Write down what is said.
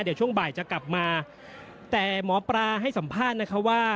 เดี๋ยวช่วงบ่ายจะกลับมาแต่หมอปลาให้สัมภาษณ์นะคะว่า